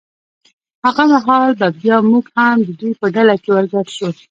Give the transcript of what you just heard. هغه مهال به بیا موږ هم د دوی په ډله کې ور ګډ شو.